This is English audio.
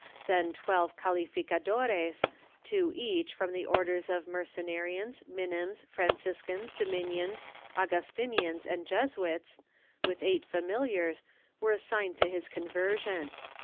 Then twelve calificadores — two each from the Orders of Mercenarians, Minims, Franciscans, Dominicans, Augus tinians and Jesuits — with eight familiars were assigned to his conversion.